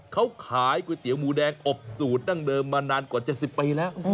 เขาขายก๋วยเตี๋ยวหมูแดงอบสูตรดั้งเดิมมานานกว่า๗๐ปีแล้ว